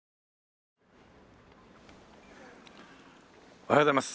おはようございます。